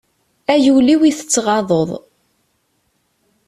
A yul-iw i tettɣaḍeḍ!